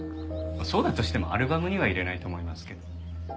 そうだとしてもアルバムには入れないと思いますけど。